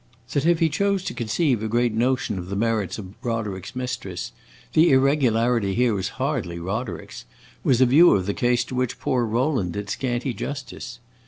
That if he chose to conceive a great notion of the merits of Roderick's mistress, the irregularity here was hardly Roderick's, was a view of the case to which poor Rowland did scanty justice.